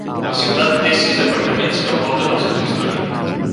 La ciutat té sis aparcaments que envolten el centre històric.